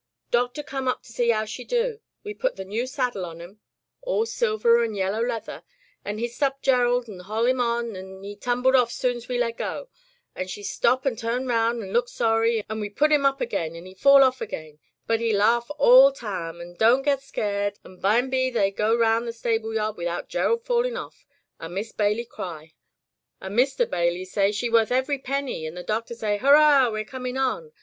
Doctor come up to see 'ow she do. We put the new saddle on 'em — all silver and yellow leather, an' hist up Gerald an' hoi' 'im on, an' 'e tumble off soon's we leggo, an' she stop an' turn roun' an' look sorry, an' we put 'im up again an' 'e fall off again, but 'e laugh all tam, an don' get scared, an' bimeby they go roun' the stable yard without Gerald fallin' off, an' Mis' Bailey cry, and Mr. Bailey [ 257 ] Digitized by LjOOQ IC Interventions say, she worth every penny, an' the Doctor say. Hurrah, we're comin' on!